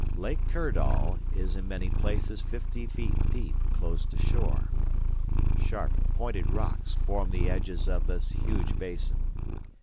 "Lake Kirdall is in many places fifty feet deep close to shore. Sharp, pointed rocks form the edges of this huge basin.